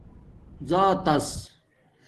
ذآتس